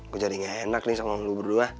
gue jadi gak enak nih sama lu berdua